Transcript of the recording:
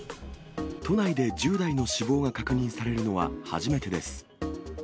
都内で１０代の死亡が確認されるのは初めてです。